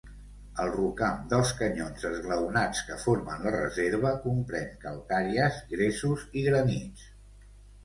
El rocam dels canyons esglaonats que formen la reserva comprèn calcàries, gresos i granits.